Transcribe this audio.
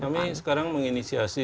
kami sekarang menginisiasi